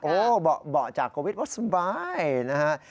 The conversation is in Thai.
โอ้โฮเบาะจากโกวิทย์สบายนะครับ